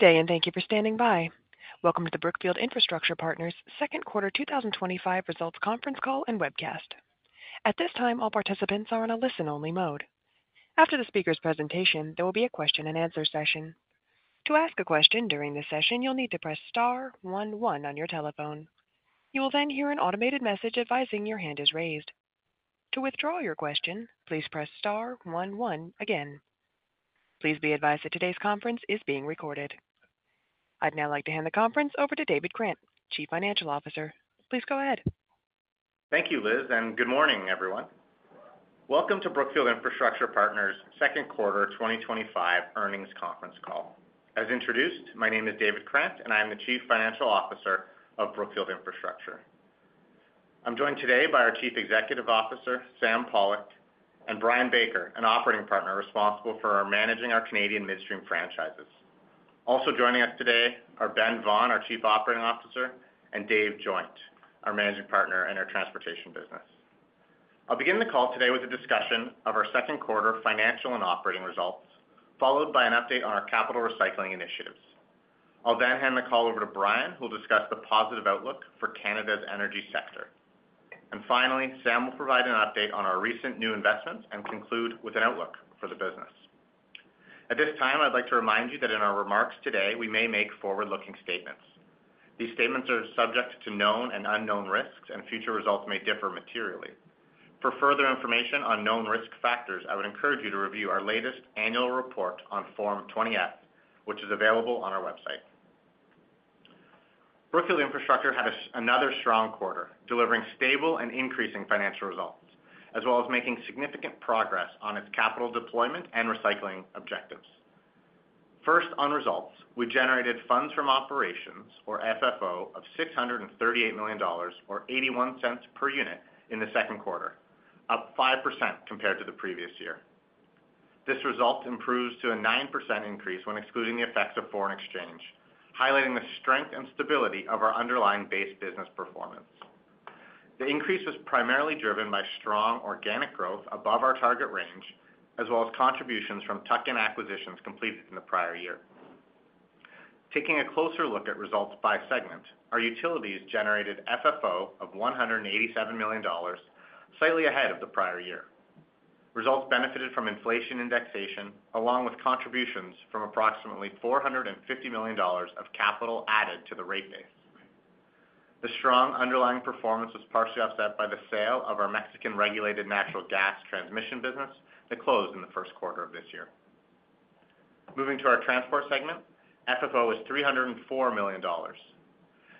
Good day, and thank you for standing by. Welcome to the Brookfield Infrastructure Partners' Second Quarter 2025 Results Conference Call and Webcast. At this time, all participants are in a listen-only mode. After the speaker's presentation, there will be a question-and-answer session. To ask a question during this session, you'll need to press star one one on your telephone. You will then hear an automated message advising your hand is raised. To withdraw your question, please press star one one again. Please be advised that today's conference is being recorded. I'd now like to hand the conference over to David Krant, Chief Financial Officer. Please go ahead. Thank you, Liz, and good morning, everyone. Welcome to Brookfield Infrastructure Partners' Second Quarter 2025 Earnings Conference Call. As introduced, my name is David Krant, and I am the Chief Financial Officer of Brookfield Infrastructure. I'm joined today by our Chief Executive Officer, Sam Pollock, and Brian Baker, an Operating Partner responsible for managing our Canadian midstream franchises. Also joining us today are Ben Vaughan, our Chief Operating Officer, and Dave Joynt, our Managing Partner in our transportation business. I'll begin the call today with a discussion of our second quarter financial and operating results, followed by an update on our capital recycling initiatives. I'll then hand the call over to Brian, who will discuss the positive outlook for Canada's energy sector. Finally, Sam will provide an update on our recent new investments and conclude with an outlook for the business. At this time, I'd like to remind you that in our remarks today, we may make forward-looking statements. These statements are subject to known and unknown risks, and future results may differ materially. For further information on known risk factors, I would encourage you to review our latest annual report on Form 20-F, which is available on our website. Brookfield Infrastructure had another strong quarter, delivering stable and increasing financial results, as well as making significant progress on its capital deployment and recycling objectives. First, on results, we generated Funds From Operations, or FFO, of $638.81 per unit in the second quarter, up 5% compared to the previous year. This result improves to a 9% increase when excluding the effects of foreign exchange, highlighting the strength and stability of our underlying base business performance. The increase was primarily driven by strong organic growth above our target range, as well as contributions from tuck-in acquisitions completed in the prior year. Taking a closer look at results by segment, our utilities generated FFO of $187 million, slightly ahead of the prior year. Results benefited from inflation indexation, along with contributions from approximately $450 million of capital added to the rate base. The strong underlying performance was partially offset by the sale of our Mexican-regulated natural gas transmission business that closed in the first quarter of this year. Moving to our transport segment, FFO was $304 million.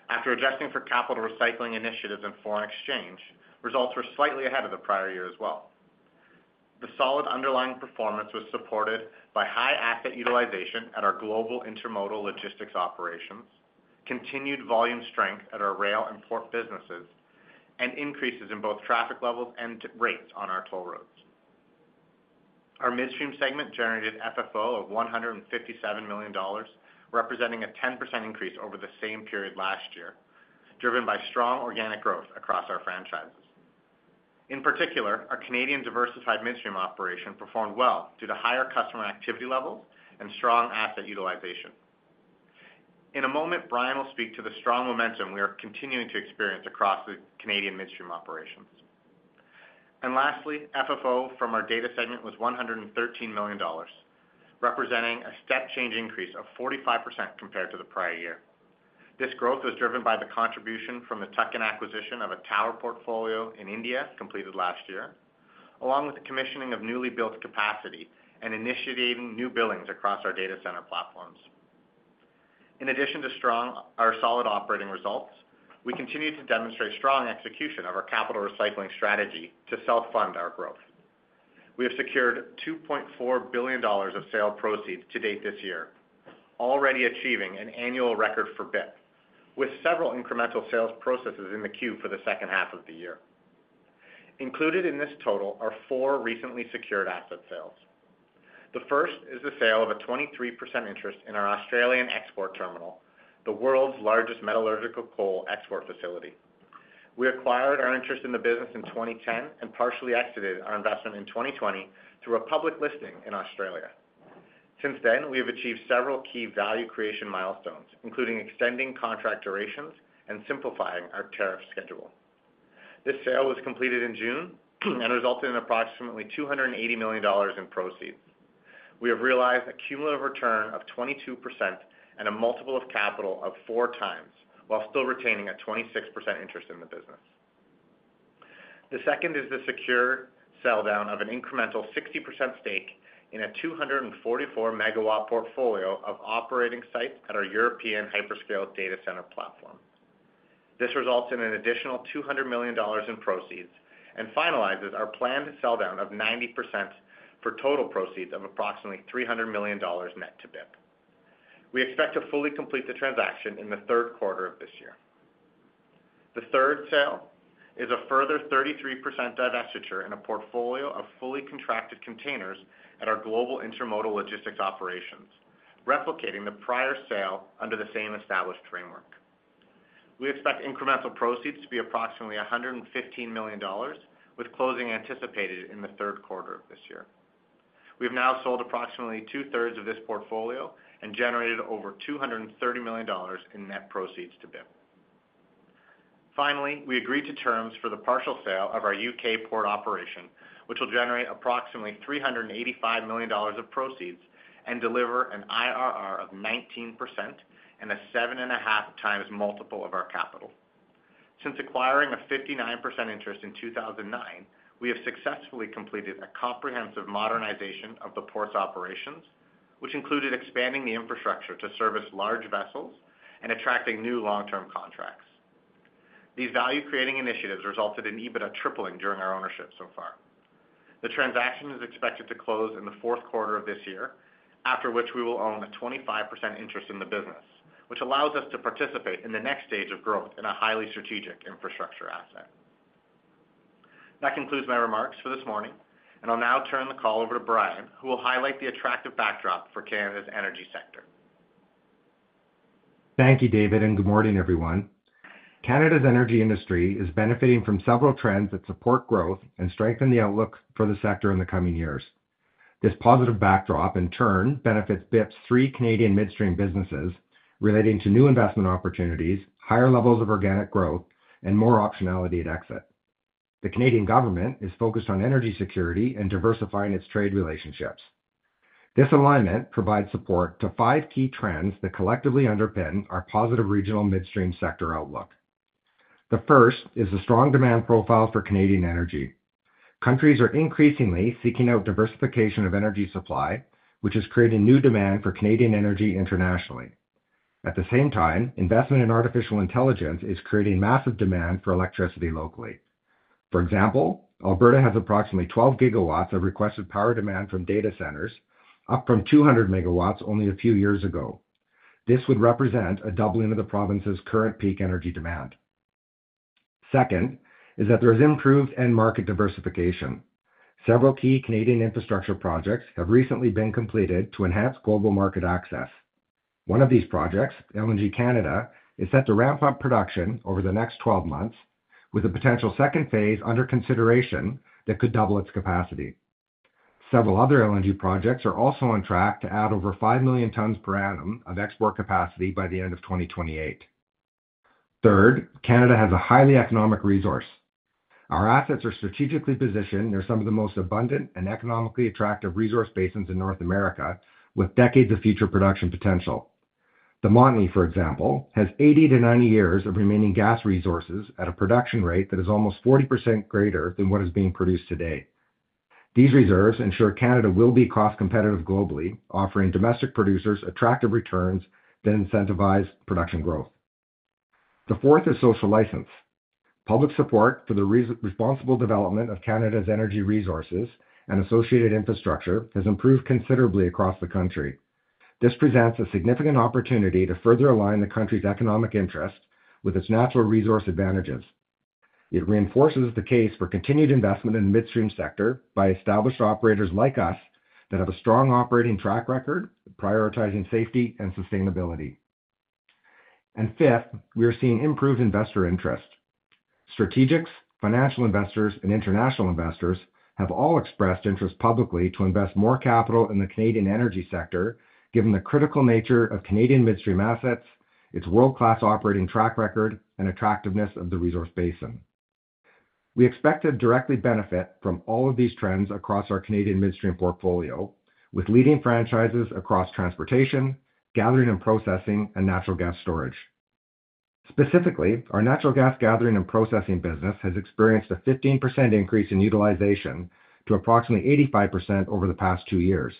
After adjusting for capital recycling initiatives and foreign exchange, results were slightly ahead of the prior year as well. The solid underlying performance was supported by high asset utilization at our global intermodal logistics operations, continued volume strength at our rail and port businesses, and increases in both traffic levels and rates on our toll roads. Our midstream segment generated FFO of $157 million, representing a 10% increase over the same period last year, driven by strong organic growth across our franchises. In particular, our Canadian diversified midstream operation performed well due to higher customer activity levels and strong asset utilization. In a moment, Brian will speak to the strong momentum we are continuing to experience across the Canadian midstream operations. Lastly, FFO from our data segment was $113 million, representing a step-change increase of 45% compared to the prior year. This growth was driven by the contribution from the tuck-in acquisition of a tower portfolio in India completed last year, along with the commissioning of newly built capacity and initiating new billings across our data center platforms. In addition to our solid operating results, we continue to demonstrate strong execution of our capital recycling strategy to self-fund our growth. We have secured $2.4 billion of sale proceeds to date this year, already achieving an annual record for BIP, with several incremental sales processes in the queue for the second half of the year. Included in this total are four recently secured asset sales. The first is the sale of a 23% interest in our Australian export terminal, the world's largest metallurgical coal export facility. We acquired our interest in the business in 2010 and partially exited our investment in 2020 through a public listing in Australia. Since then, we have achieved several key value creation milestones, including extending contract durations and simplifying our tariff schedule. This sale was completed in June and resulted in approximately $280 million in proceeds. We have realized a cumulative return of 22% and a multiple of capital of four times, while still retaining a 26% interest in the business. The second is the secure sell down of an incremental 60% stake in a 244 MW portfolio of operating sites at our European hyperscale data center platform. This results in an additional $200 million in proceeds and finalizes our planned sell down of 90% for total proceeds of approximately $300 million net to BIP. We expect to fully complete the transaction in the third quarter of this year. The third sale is a further 33% divestiture in a portfolio of fully contracted containers at our global intermodal logistics operations, replicating the prior sale under the same established framework. We expect incremental proceeds to be approximately $115 million, with closing anticipated in the third quarter of this year. We have now sold approximately two-thirds of this portfolio and generated over $230 million in net proceeds to BIP. Finally, we agreed to terms for the partial sale of our U.K. port operation, which will generate approximately $385 million of proceeds and deliver an IRR of 19% and a 7.5 times multiple of our capital. Since acquiring a 59% interest in 2009, we have successfully completed a comprehensive modernization of the port's operations, which included expanding the infrastructure to service large vessels and attracting new long-term contracts. These value creating initiatives resulted in EBITDA tripling during our ownership so far. The transaction is expected to close in the fourth quarter of this year, after which we will own a 25% interest in the business, which allows us to participate in the next stage of growth in a highly strategic infrastructure asset. That concludes my remarks for this morning, and I'll now turn the call over to Brian, who will highlight the attractive backdrop for Canada's energy sector. Thank you, David, and good morning, everyone. Canada's energy industry is benefiting from several trends that support growth and strengthen the outlook for the sector in the coming years. This positive backdrop, in turn, benefits BIP's three Canadian midstream businesses relating to new investment opportunities, higher levels of organic growth, and more optionality at exit. The Canadian government is focused on energy security and diversifying its trade relationships. This alignment provides support to five key trends that collectively underpin our positive regional midstream sector outlook. The first is the strong demand profile for Canadian energy. Countries are increasingly seeking out diversification of energy supply, which is creating new demand for Canadian energy internationally. At the same time, investment in artificial intelligence is creating massive demand for electricity locally. For example, Alberta has approximately 12 GW of requested power demand from data centers, up from 200 MW only a few years ago. This would represent a doubling of the province's current peak energy demand. Second is that there is improved end-market diversification. Several key Canadian infrastructure projects have recently been completed to enhance global market access. One of these projects, LNG Canada, is set to ramp up production over the next 12 months, with a potential second phase under consideration that could double its capacity. Several other LNG projects are also on track to add over 5 million tons per annum of export capacity by the end of 2028. Third, Canada has a highly economic resource. Our assets are strategically positioned near some of the most abundant and economically attractive resource basins in North America, with decades of future production potential. The Montney, for example, has 80 to 90 years of remaining gas resources at a production rate that is almost 40% greater than what is being produced today. These reserves ensure Canada will be cost competitive globally, offering domestic producers attractive returns that incentivize production growth. The fourth is social license. Public support for the responsible development of Canada's energy resources and associated infrastructure has improved considerably across the country. This presents a significant opportunity to further align the country's economic interests with its natural resource advantages. It reinforces the case for continued investment in the midstream sector by established operators like us that have a strong operating track record, prioritizing safety and sustainability. Fifth, we are seeing improved investor interest. Strategics, financial investors, and international investors have all expressed interest publicly to invest more capital in the Canadian energy sector, given the critical nature of Canadian midstream assets, its world-class operating track record, and attractiveness of the resource basin. We expect to directly benefit from all of these trends across our Canadian midstream portfolio, with leading franchises across transportation, gathering and processing, and natural gas storage. Specifically, our natural gas gathering and processing business has experienced a 15% increase in utilization to approximately 85% over the past two years.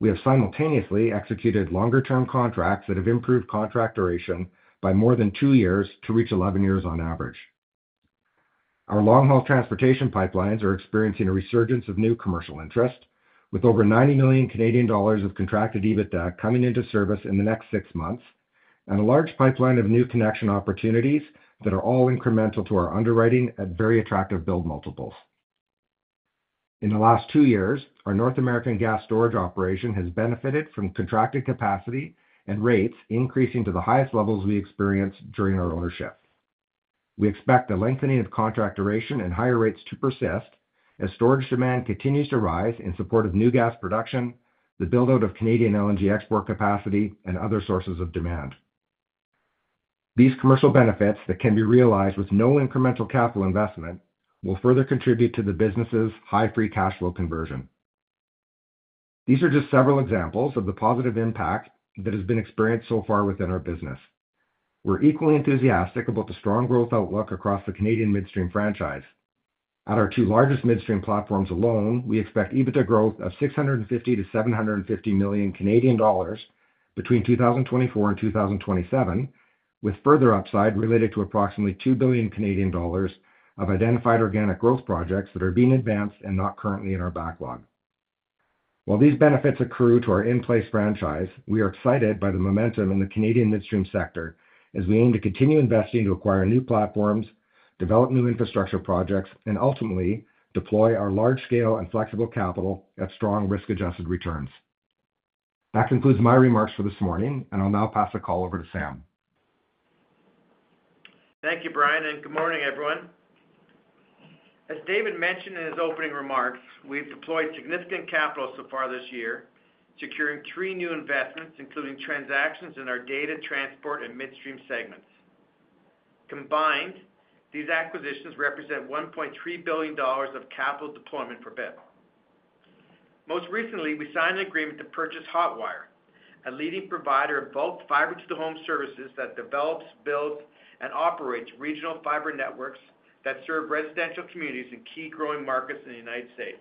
We have simultaneously executed longer-term contracts that have improved contract duration by more than two years to reach 11 years on average. Our long-haul transportation pipelines are experiencing a resurgence of new commercial interest, with over 90 million Canadian dollars of contracted EBITDA coming into service in the next six months, and a large pipeline of new connection opportunities that are all incremental to our underwriting at very attractive build multiples. In the last two years, our North American gas storage operation has benefited from contracted capacity and rates increasing to the highest levels we experienced during our ownership. We expect the lengthening of contract duration and higher rates to persist as storage demand continues to rise in support of new gas production, the build-out of Canadian LNG export capacity, and other sources of demand. These commercial benefits that can be realized with no incremental capital investment will further contribute to the business's high free cash flow conversion. These are just several examples of the positive impact that has been experienced so far within our business. We're equally enthusiastic about the strong growth outlook across the Canadian midstream franchise. At our two largest midstream platforms alone, we expect EBITDA growth of 650 million-750 million Canadian dollars between 2024 and 2027, with further upside related to approximately 2 billion Canadian dollars of identified organic growth projects that are being advanced and not currently in our backlog. While these benefits accrue to our in-place franchise, we are excited by the momentum in the Canadian midstream sector as we aim to continue investing to acquire new platforms, develop new infrastructure projects, and ultimately deploy our large-scale and flexible capital at strong risk-adjusted returns. That concludes my remarks for this morning, and I'll now pass the call over to Sam. Thank you, Brian, and good morning, everyone. As David mentioned in his opening remarks, we've deployed significant capital so far this year, securing three new investments, including transactions in our data, transport, and midstream segments. Combined, these acquisitions represent $1.3 billion of capital deployment for BIP. Most recently, we signed an agreement to purchase Hotwire, a leading provider of bulk fiber-to-the-home services that develops, builds, and operates regional fiber networks that serve residential communities in key growing markets in the United States.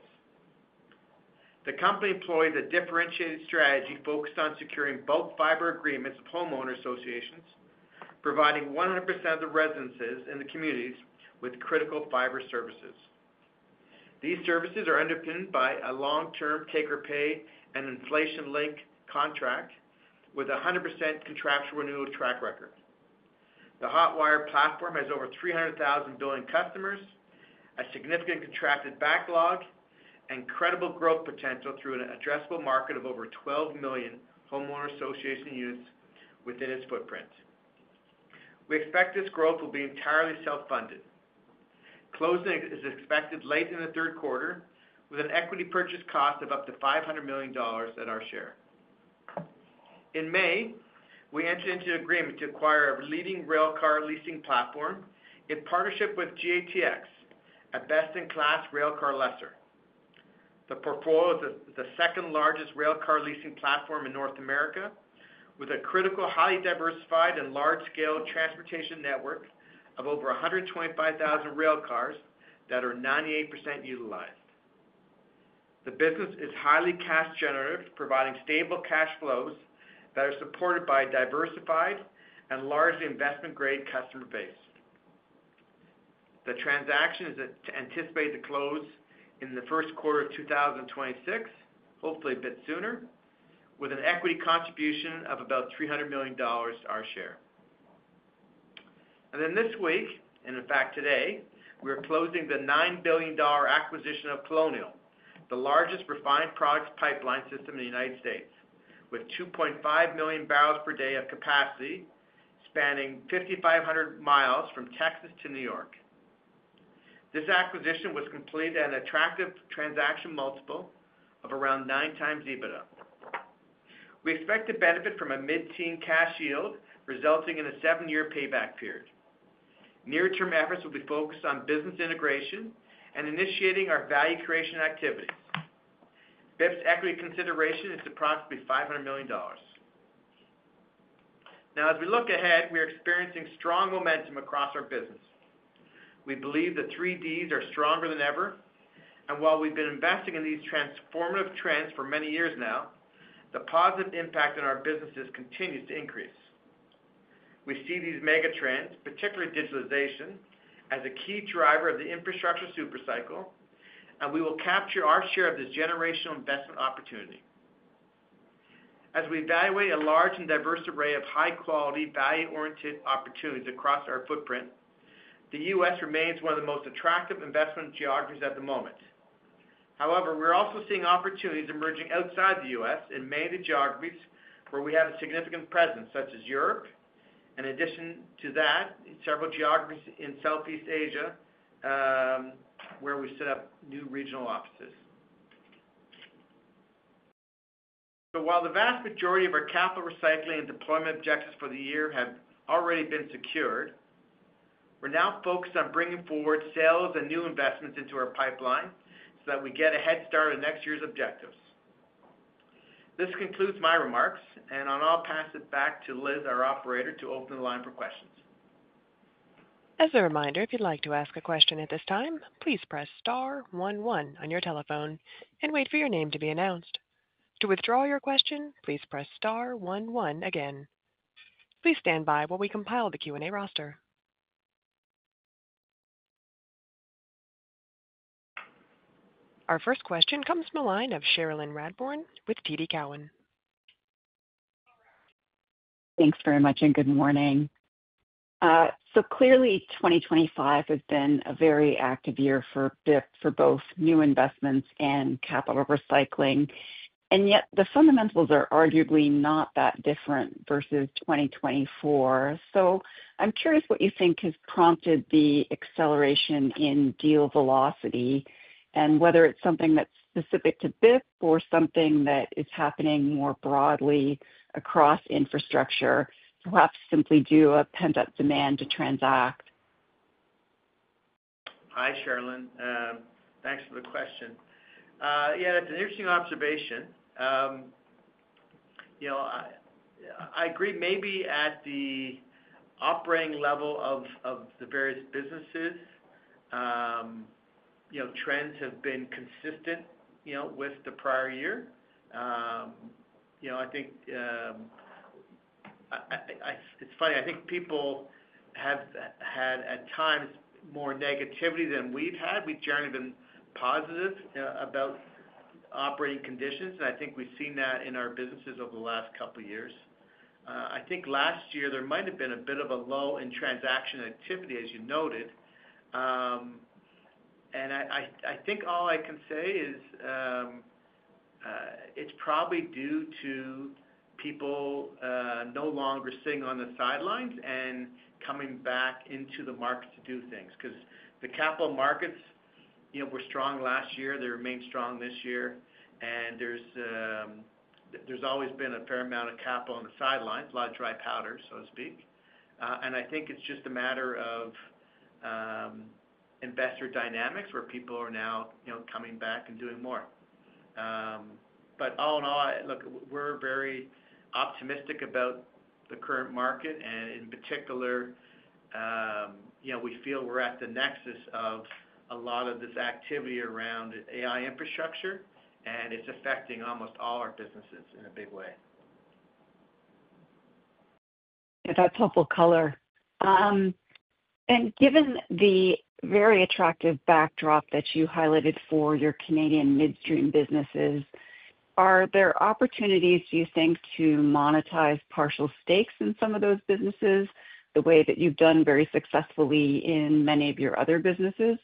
The company employs a differentiated strategy focused on securing bulk fiber agreements with homeowner associations, providing 100% of the residences in the communities with critical fiber services. These services are underpinned by a long-term take-or-pay and inflation-linked contract with a 100% contractual renewal track record. The Hotwire platform has over 300,000 customers, a significant contracted backlog, and credible growth potential through an addressable market of over 12 million homeowner association units within its footprint. We expect this growth will be entirely self-funded. Closing is expected late in the third quarter, with an equity purchase cost of up to $500 million at our share. In May, we entered into an agreement to acquire a leading railcar leasing platform in partnership with GATX, a best-in-class railcar lessor. The portfolio is the second-largest railcar leasing platform in North America, with a critical, highly diversified, and large-scale transportation network of over 125,000 railcars that are 98% utilized. The business is highly cash-generative, providing stable cash flows that are supported by a diversified and largely investment-grade customer base. The transaction is anticipated to close in the first quarter of 2026, hopefully a bit sooner, with an equity contribution of about $300 million to our share. This week, and in fact today, we are closing the $9 billion acquisition of Colonial, the largest refined products pipeline system in the United States, with 2.5 million barrels per day of capacity spanning 5,500 miles from Texas to New York. This acquisition was completed at an attractive transaction multiple of around nine times EBITDA. We expect to benefit from a mid-teen cash yield, resulting in a seven-year payback period. Near-term efforts will be focused on business integration and initiating our value creation activities. BIP's equity consideration is to approximately $500 million. Now, as we look ahead, we are experiencing strong momentum across our business. We believe the Three D's are stronger than ever, and while we've been investing in these transformative trends for many years now, the positive impact on our businesses continues to increase. We see these mega trends, particularly digitalization, as a key driver of the infrastructure supercycle, and we will capture our share of this generational investment opportunity. As we evaluate a large and diverse array of high-quality, value-oriented opportunities across our footprint, the U.S. remains one of the most attractive investment geographies at the moment. However, we're also seeing opportunities emerging outside the U.S. in many of the geographies where we have a significant presence, such as Europe. In addition to that, several geographies in Southeast Asia where we set up new regional offices. While the vast majority of our capital recycling and deployment objectives for the year have already been secured, we're now focused on bringing forward sales and new investments into our pipeline so that we get a head start in next year's objectives. This concludes my remarks, and I'll now pass it back to Liz, our operator, to open the line for questions. As a reminder, if you'd like to ask a question at this time, please press star one one on your telephone and wait for your name to be announced. To withdraw your question, please press star one one again. Please stand by while we compile the Q&A roster. Our first question comes from a line of Cherilyn Radbourne with TD Cowen. Thanks very much and good morning. Clearly, 2025 has been a very active year for BIP for both new investments and capital recycling, and yet the fundamentals are arguably not that different versus 2024. I'm curious what you think has prompted the acceleration in deal velocity and whether it's something that's specific to BIP or something that is happening more broadly across infrastructure, perhaps simply due to a pent-up demand to transact. Hi, Cherilyn. Thanks for the question. Yeah, that's an interesting observation. I agree maybe at the operating level of the various businesses, trends have been consistent with the prior year. I think it's funny, I think people have had at times more negativity than we've had. We've generally been positive about operating conditions, and I think we've seen that in our businesses over the last couple of years. I think last year there might have been a bit of a low in transaction activity, as you noted. All I can say is it's probably due to people no longer sitting on the sidelines and coming back into the market to do things because the capital markets were strong last year. They remain strong this year, and there's always been a fair amount of capital on the sidelines, a lot of dry powder, so to speak. I think it's just a matter of investor dynamics where people are now coming back and doing more. All in all, look, we're very optimistic about the current market, and in particular, we feel we're at the nexus of a lot of this activity around AI-driven infrastructure, and it's affecting almost all our businesses in a big way. Yeah, that's helpful color. Given the very attractive backdrop that you highlighted for your Canadian midstream businesses, are there opportunities, do you think, to monetize partial stakes in some of those businesses the way that you've done very successfully in many of your other businesses?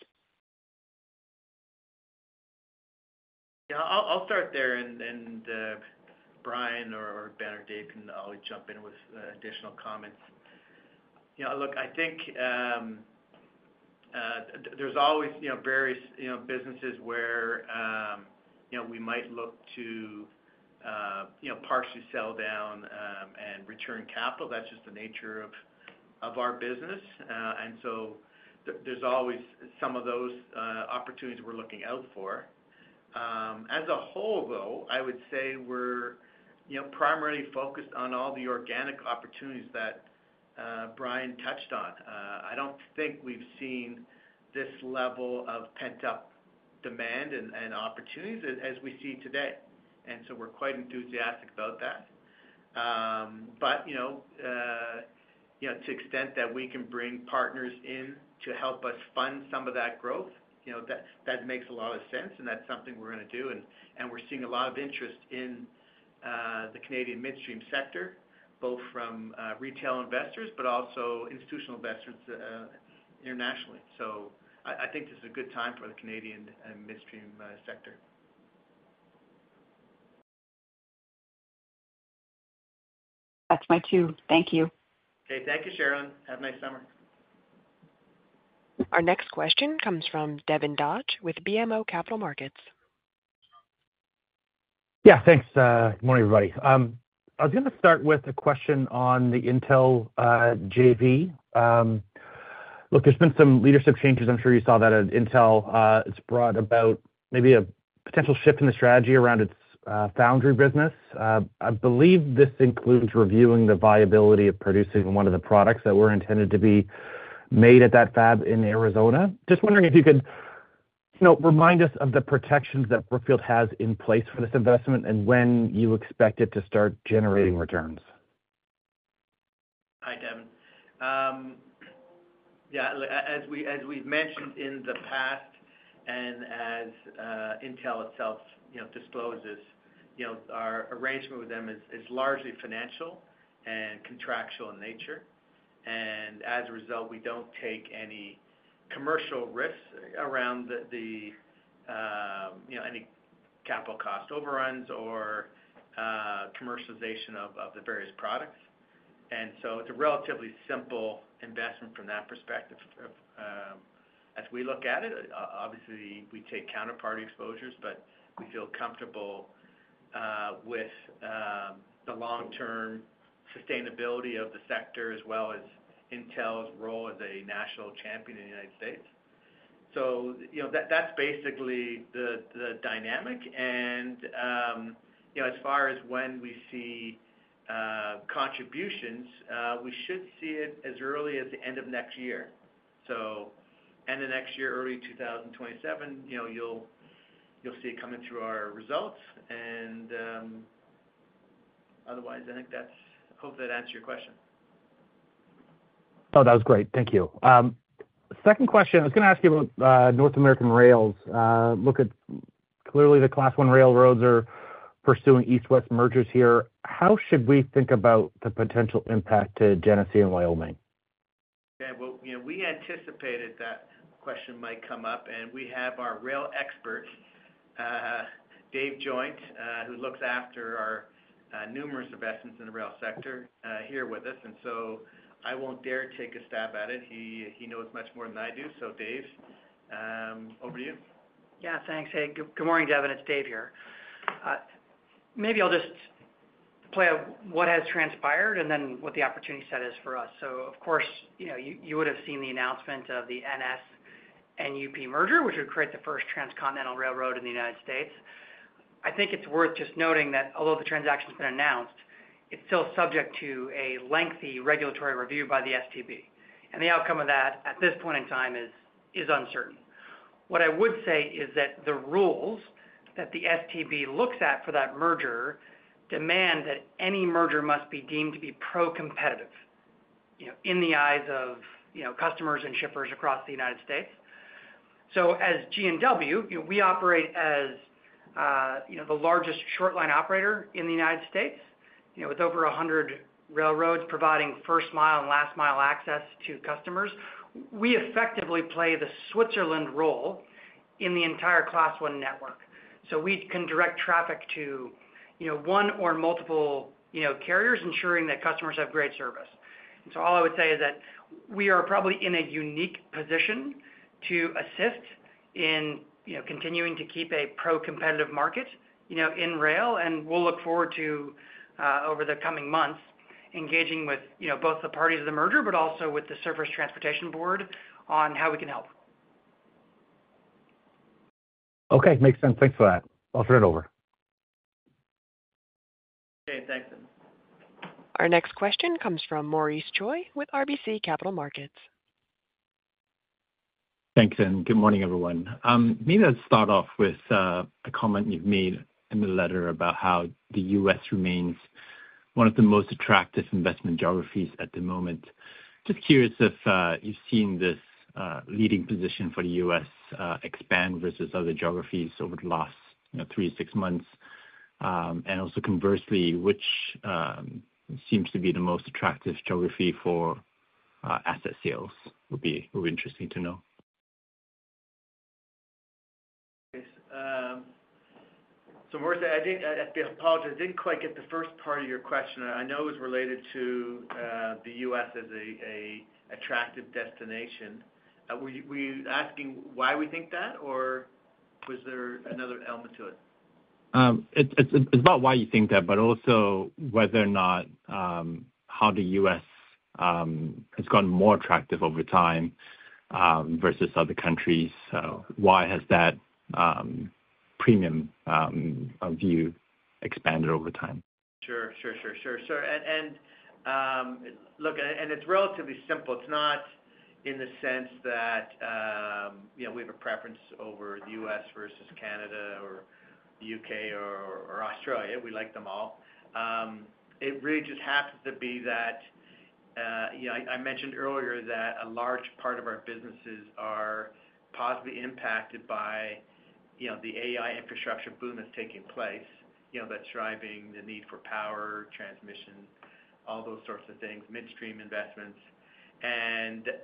Yeah, I'll start there. Brian or Ben or Dave can always jump in with additional comments. Look, I think there's always various businesses where we might look to partially sell down and return capital. That's just the nature of our business, and so there's always some of those opportunities we're looking out for. As a whole, though, I would say we're primarily focused on all the organic opportunities that Brian touched on. I don't think we've seen this level of pent-up demand and opportunities as we see today, and we're quite enthusiastic about that. To the extent that we can bring partners in to help us fund some of that growth, that makes a lot of sense, and that's something we're going to do. We're seeing a lot of interest in the Canadian midstream sector, both from retail investors but also institutional investors internationally. I think this is a good time for the Canadian midstream sector. That's my two. Thank you. Okay, thank you, Cherilyn. Have a nice summer. Our next question comes from Devin Dodge with BMO Capital Markets. Yeah, thanks. Good morning, everybody. I was going to start with a question on the Intel JV. Look, there's been some leadership changes. I'm sure you saw that at Intel. It's brought about maybe a potential shift in the strategy around its foundry business. I believe this includes reviewing the viability of producing one of the products that were intended to be made at that fab in Arizona. Just wondering if you could remind us of the protections that Brookfield has in place for this investment and when you expect it to start generating returns. Hi, Devin. Yeah, as we've mentioned in the past, and as Intel itself discloses, our arrangement with them is largely financial and contractual in nature. As a result, we don't take any commercial risks around any capital cost overruns or commercialization of the various products. It's a relatively simple investment from that perspective. As we look at it, obviously, we take counterparty exposures, but we feel comfortable with the long-term sustainability of the sector as well as Intel's role as a national champion in the U.S. That's basically the dynamic. As far as when we see contributions, we should see it as early as the end of next year. End of next year, early 2027, you'll see it coming through our results. Otherwise, I hope that answers your question. Oh, that was great. Thank you. Second question, I was going to ask you about North American rails. Clearly the Class 1 railroads are pursuing east-west mergers here. How should we think about the potential impact to Genesee & Wyoming? Okay, we anticipated that question might come up, and we have our rail expert, Dave Joynt, who looks after our numerous investments in the rail sector, here with us. I won't dare take a stab at it. He knows much more than I do. Dave, over to you. Yeah, thanks. Hey, good morning, Devin. It's Dave here. Maybe I'll just play out what has transpired and then what the opportunity set is for us. Of course, you would have seen the announcement of the NS-UP merger, which would create the first transcontinental railroad in the U.S. I think it's worth just noting that although the transaction's been announced, it's still subject to a lengthy regulatory review by the STB. The outcome of that at this point in time is uncertain. What I would say is that the rules that the STB looks at for that merger demand that any merger must be deemed to be pro-competitive in the eyes of customers and shippers across the United States. As G&W, we operate as the largest short-line operator in the U.S. with over 100 railroads providing first-mile and last-mile access to customers. We effectively play the Switzerland role in the entire Class 1 network. We can direct traffic to one or multiple carriers, ensuring that customers have great service. All I would say is that we are probably in a unique position to assist in continuing to keep a pro-competitive market in rail. We'll look forward to, over the coming months, engaging with both the parties of the merger, but also with the Surface Transportation Board on how we can help. Okay, makes sense. Thanks for that. I'll turn it over. Okay, thanks. Our next question comes from Maurice Choy with RBC Capital Markets. Thanks, and good morning, everyone. Maybe I'll start off with a comment you've made in the letter about how the U.S. remains one of the most attractive investment geographies at the moment. Just curious if you've seen this leading position for the U.S. expand versus other geographies over the last three to six months. Also, conversely, which seems to be the most attractive geography for asset sales would be interesting to know. Okay. Maurice, I didn't quite get the first part of your question. I know it was related to the U.S. as an attractive destination. Were you asking why we think that, or was there another element to it? It's about why you think that, but also whether or not, how the U.S. has gotten more attractive over time versus other countries. Why has that premium view expanded over time? Look, it's relatively simple. It's not in the sense that we have a preference over the U.S. versus Canada or the U.K. or Australia. We like them all. It really just happens to be that I mentioned earlier that a large part of our businesses are possibly impacted by the AI infrastructure boom that's taking place that's driving the need for power, transmission, all those sorts of things, midstream investments.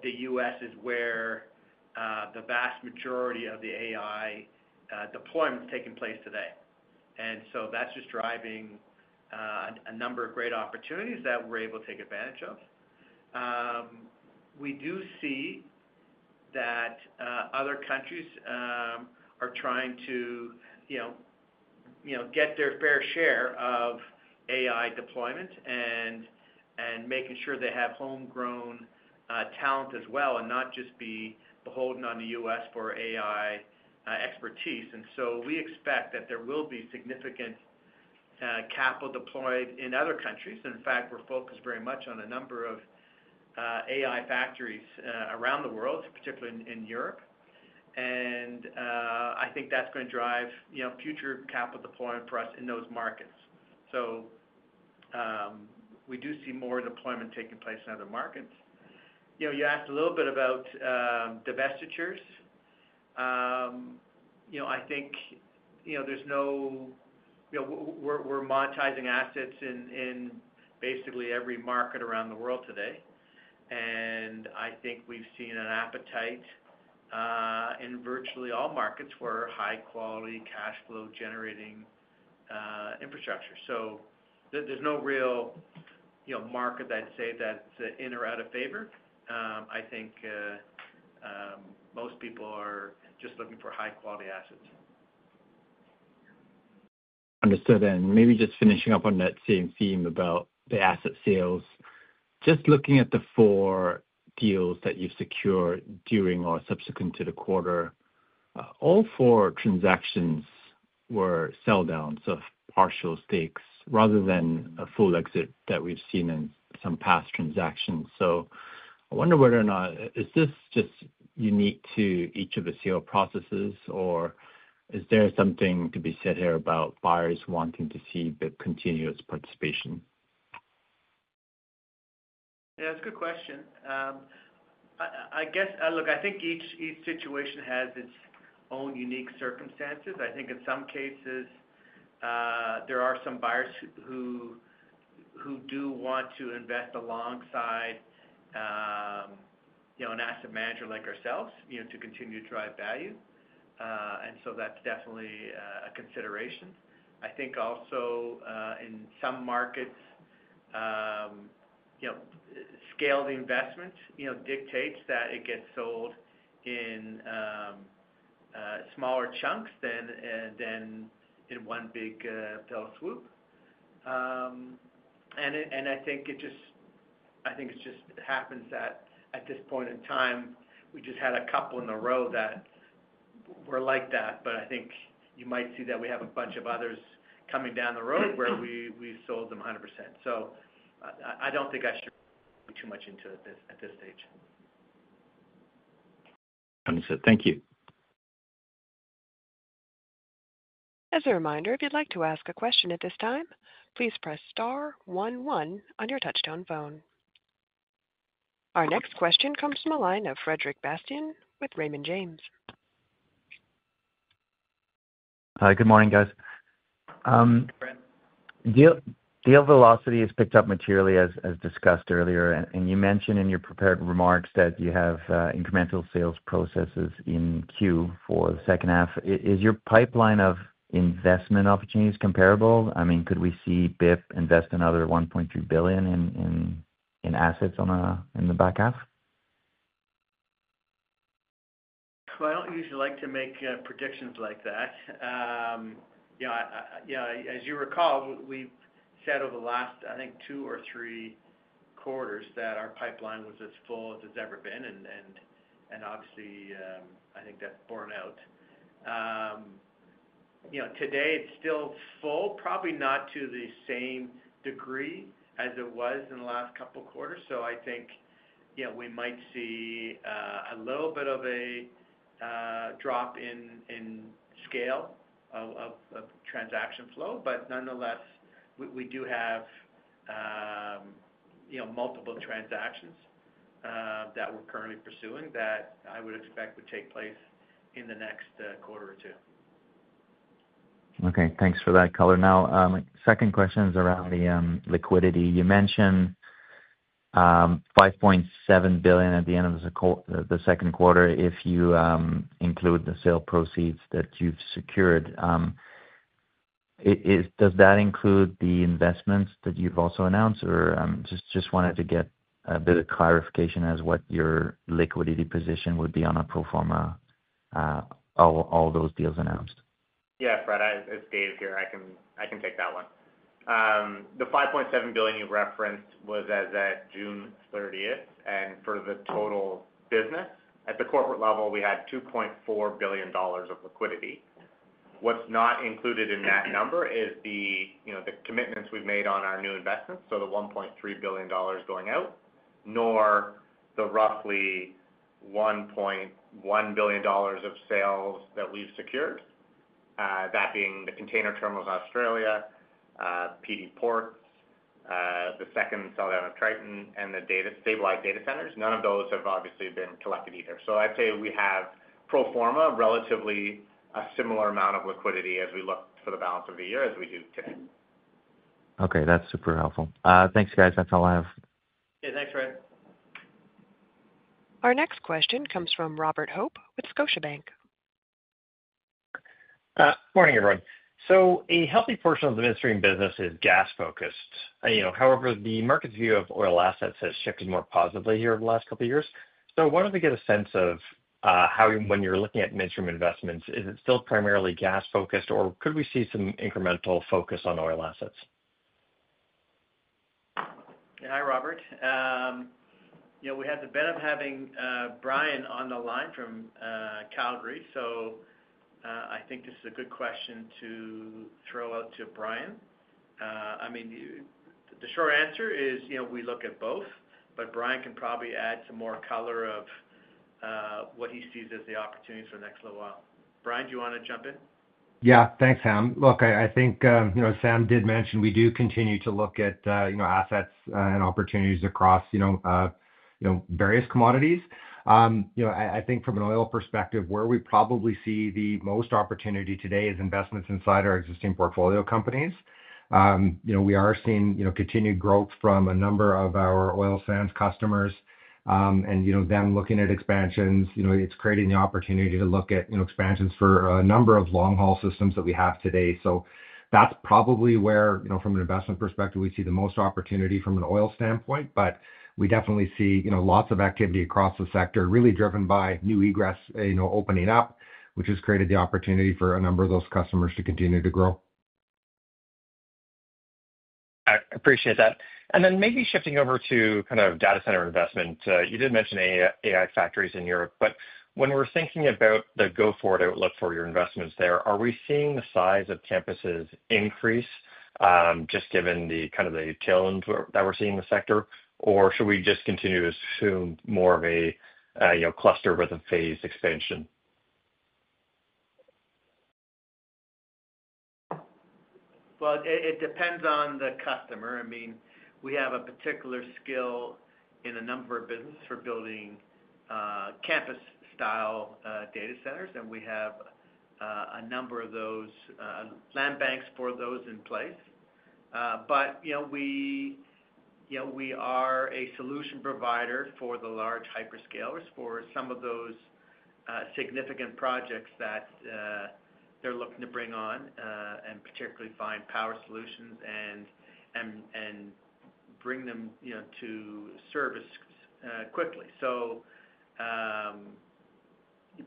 The U.S. is where the vast majority of the AI deployments are taking place today, and that's just driving a number of great opportunities that we're able to take advantage of. We do see that other countries are trying to get their fair share of AI deployment and making sure they have homegrown talent as well and not just be beholden on the U.S. for AI expertise. We expect that there will be significant capital deployed in other countries. In fact, we're focused very much on a number of AI factories around the world, particularly in Europe, and I think that's going to drive future capital deployment for us in those markets. We do see more deployment taking place in other markets. You asked a little bit about divestitures. There's no—we're monetizing assets in basically every market around the world today, and we've seen an appetite in virtually all markets for high-quality cash flow-generating infrastructure. There's no real market that I'd say that's in or out of favor. Most people are just looking for high-quality assets. Understood. Maybe just finishing up on that same theme about the asset sales, just looking at the four deals that you've secured during or subsequent to the quarter. All four transactions were sell-downs, so partial stakes, rather than a full exit that we've seen in some past transactions. I wonder whether or not this is just unique to each of the sale processes, or is there something to be said here about buyers wanting to see the continuous participation? Yeah, that's a good question. I think each situation has its own unique circumstances. In some cases, there are some buyers who do want to invest alongside an asset manager like ourselves to continue to drive value, and so that's definitely a consideration. I think also in some markets, scale of the investment dictates that it gets sold in smaller chunks than in one big swoop. It just happens that at this point in time, we just had a couple in a row that were like that. You might see that we have a bunch of others coming down the road where we've sold them 100%. I don't think I should read too much into it at this stage. Understood. Thank you. As a reminder, if you'd like to ask a question at this time, please press star one one on your touch-tone phone. Our next question comes from a line of Frederic Bastien with Raymond James. Hi, good morning, guys. Hey, Fred. Deal velocity has picked up materially, as discussed earlier. You mentioned in your prepared remarks that you have incremental sales processes in queue for the second half. Is your pipeline of investment opportunities comparable? I mean, could we see BIP invest another $1.3 billion in assets in the back half? I don't usually like to make predictions like that. As you recall, we've said over the last, I think, two or three quarters that our pipeline was as full as it's ever been. Obviously, I think that's borne out. Today, it's still full, probably not to the same degree as it was in the last couple of quarters. I think we might see a little bit of a drop in scale of transaction flow. Nonetheless, we do have multiple transactions that we're currently pursuing that I would expect would take place in the next quarter or two. Okay, thanks for that color. Now, my second question is around the liquidity. You mentioned $5.7 billion at the end of the second quarter if you include the sale proceeds that you've secured. Does that include the investments that you've also announced? I just wanted to get a bit of clarification as to what your liquidity position would be on a pro forma, all those deals announced. Yeah, Fred, it's Dave here. I can take that one. The $5.7 billion you referenced was as of June 30th. For the total business, at the corporate level, we had $2.4 billion of liquidity. What's not included in that number is the commitments we've made on our new investments, so the $1.3 billion going out, nor the roughly $1.1 billion of sales that we've secured. That being the container terminals in Australia, PD Ports, the second sell-down of Triton, and the stabilized data centers. None of those have obviously been collected either. I'd say we have pro forma relatively a similar amount of liquidity as we look for the balance of the year as we do today. Okay, that's super helpful. Thanks, guys. That's all I have. Yeah, thanks, Brad. Our next question comes from Robert Hope with Scotia Bank. Morning, everyone. A healthy portion of the midstream business is gas-focused. However, the market's view of oil assets has shifted more positively here over the last couple of years. I wanted to get a sense of how, when you're looking at midstream investments, is it still primarily gas-focused, or could we see some incremental focus on oil assets? Hi, Robert. We had the benefit of having Brian on the line from Calgary. I think this is a good question to throw out to Brian. The short answer is we look at both, but Brian can probably add some more color of what he sees as the opportunities for the next little while. Brian, do you want to jump in? Yeah, thanks, Sam. I think Sam did mention we do continue to look at assets and opportunities across various commodities. I think from an oil perspective, where we probably see the most opportunity today is investments inside our existing portfolio companies. We are seeing continued growth from a number of our oil sands customers and them looking at expansions. It's creating the opportunity to look at expansions for a number of long-haul systems that we have today. That's probably where, from an investment perspective, we see the most opportunity from an oil standpoint. We definitely see lots of activity across the sector, really driven by new egress opening up, which has created the opportunity for a number of those customers to continue to grow. I appreciate that. Maybe shifting over to kind of data center investment, you did mention AI factories in Europe. When we're thinking about the go-forward outlook for your investments there, are we seeing the size of campuses increase, just given the kind of the challenge that we're seeing in the sector, or should we just continue to assume more of a cluster with a phased expansion? It depends on the customer. I mean, we have a particular skill in a number of businesses for building campus-style data centers, and we have a number of those land banks for those in place. We are a solution provider for the large hyperscalers for some of those significant projects that they're looking to bring on and particularly find power solutions and bring them to service quickly.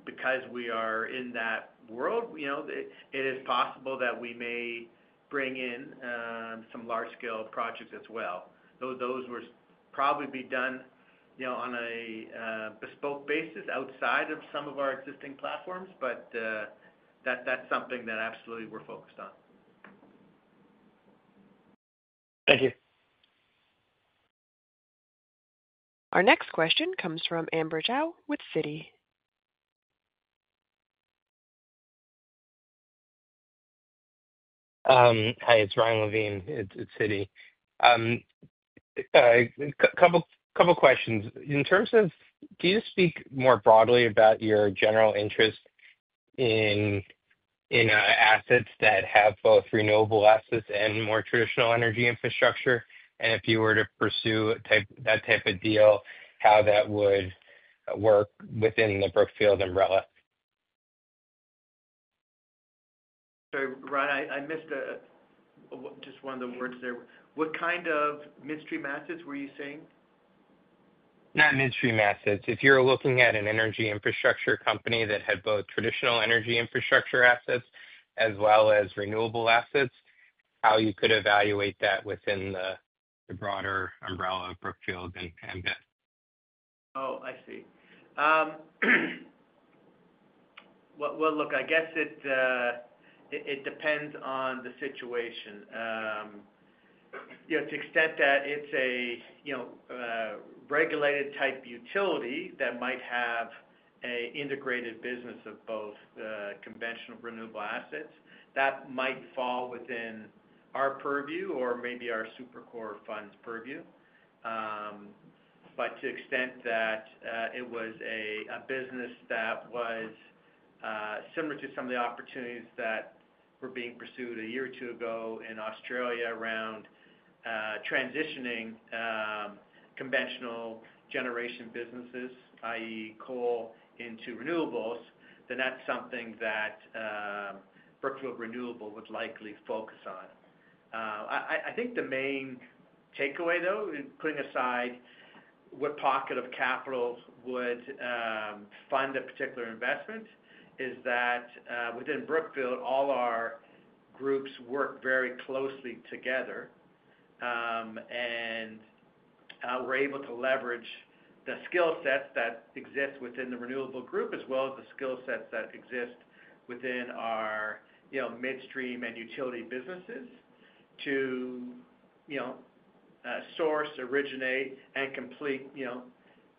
Because we are in that world, it is possible that we may bring in some large-scale projects as well. Those would probably be done on a bespoke basis outside of some of our existing platforms, but that's something that absolutely we're focused on. Thank you. Our next question comes from Amber Zhao with Citi. Hi, it's Ryan Levine at Citi. A couple of questions. In terms of, can you speak more broadly about your general interest in assets that have both renewable assets and more traditional energy infrastructure? If you were to pursue that type of deal, how that would work within the Brookfield umbrella. Sorry, Ryan, I missed just one of the words there. What kind of midstream assets were you saying? Not midstream assets. If you're looking at an energy infrastructure company that had both traditional energy infrastructure assets as well as renewable energy infrastructure assets, how you could evaluate that within the broader umbrella of Brookfield and Brookfield Infrastructure Partners. I see. I guess it depends on the situation. To the extent that it's a regulated-type utility that might have an integrated business of both conventional renewable assets, that might fall within our purview or maybe our Super Core Fund's purview. To the extent that it was a business that was similar to some of the opportunities that were being pursued a year or two ago in Australia around transitioning conventional generation businesses, i.e., coal, into renewables, then that's something that Brookfield Renewable would likely focus on. I think the main takeaway, though, putting aside what pocket of capital would fund a particular investment, is that within Brookfield, all our groups work very closely together. We're able to leverage the skill sets that exist within the renewable group as well as the skill sets that exist within our midstream and utility businesses to source, originate, and complete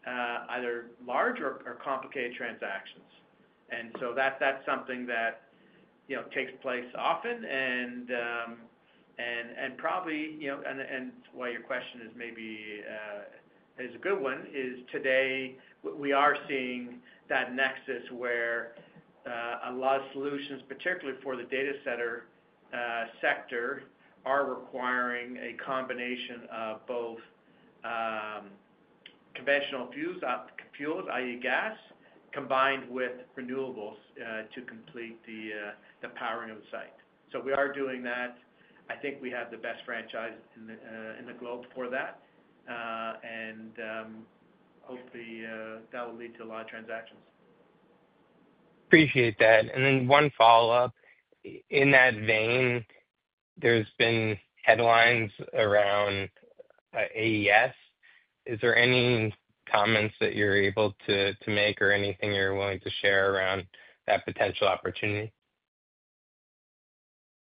either large or complicated transactions. That's something that takes place often. Probably, and why your question is maybe a good one, is today we are seeing that nexus where a lot of solutions, particularly for the data center sector, are requiring a combination of both conventional fuels, i.e., gas, combined with renewables to complete the powering of the site. We are doing that. I think we have the best franchise in the globe for that. Hopefully, that will lead to a lot of transactions. Appreciate that. One follow-up. In that vein, there's been headlines around AES. Is there any comments that you're able to make or anything you're willing to share around that potential opportunity?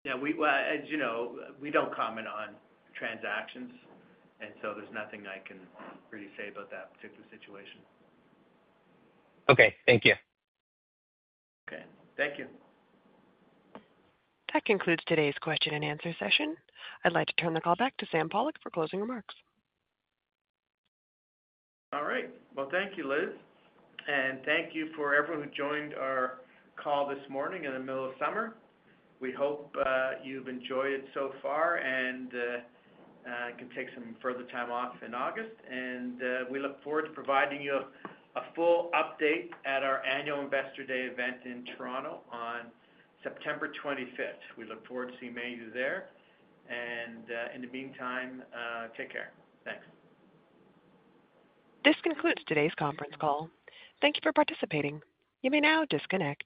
As you know, we don't comment on transactions, and so there's nothing I can really say about that particular situation. Okay, thank you. Okay, thank you. That concludes today's question and answer session. I'd like to turn the call back to Sam Pollock for closing remarks. All right. Thank you, Liz. Thank you to everyone who joined our call this morning in the middle of summer. We hope you've enjoyed it so far and can take some further time off in August. We look forward to providing you a full update at our annual Investor Day event in Toronto on September 25th. We look forward to seeing many of you there. In the meantime, take care. Thanks. This concludes today's conference call. Thank you for participating. You may now disconnect.